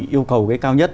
yêu cầu cái cao nhất